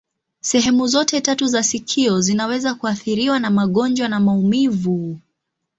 Sehemu zote tatu za sikio zinaweza kuathiriwa na magonjwa na maumivu.